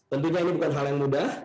tentunya ini bukan hal yang mudah